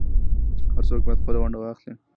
هر څوک بايد خپله ونډه واخلي.